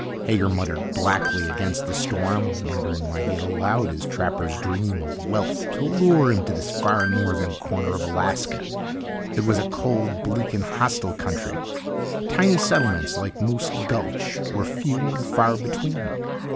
Hager muttered blackly against the storm, wondering why he had allowed his trapper's dream of wealth to lure him to this far northern corner of Alaska. It was a cold, bleak and hostile country. Tiny settlements, like Moose Gulch were few and far between.